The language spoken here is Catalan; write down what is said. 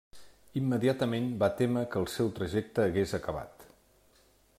Immediatament va témer que el seu trajecte hagués acabat.